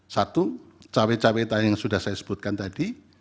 satu cawe cawe tadi yang sudah saya sebutkan tadi